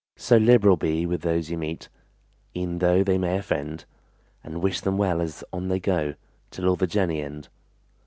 So liberal be with those you meet E'en though they may offend, And wish them well as on they go Till all the journey end.